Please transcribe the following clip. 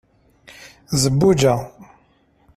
zebbuǧa